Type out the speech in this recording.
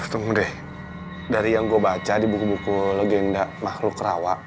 ketemu deh dari yang gue baca di buku buku legenda makhluk rawa